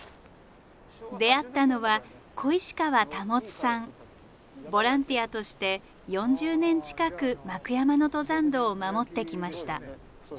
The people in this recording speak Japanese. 出会ったのはボランティアとして４０年近く幕山の登山道を守ってきました。